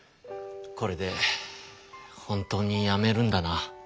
これで本当にやめるんだな。